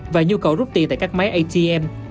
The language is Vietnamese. và nhu cầu rút tiền tại các máy atm